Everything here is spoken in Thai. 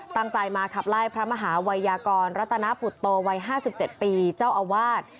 ตั้งใจมาขับไล่พระมหาวัยยากรรัตนปุตโตวัย๕๗ปีเจ้าอาวาส